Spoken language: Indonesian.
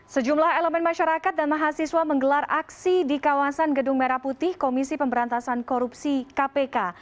sejumlah elemen masyarakat dan mahasiswa menggelar aksi di kawasan gedung merah putih komisi pemberantasan korupsi kpk